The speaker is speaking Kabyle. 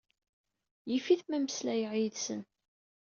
Yif-it ma mmeslayeɣ yid-sen.